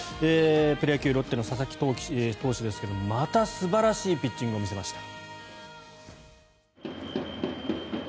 プロ野球、ロッテの佐々木朗希投手ですがまた素晴らしいピッチングを見せました。